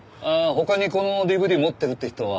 他にこのＤＶＤ持ってるって人は？